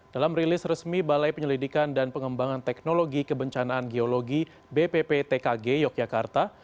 dalam rilis resmi balai penyelidikan dan pengembangan teknologi kebencanaan geologi bpptkg yogyakarta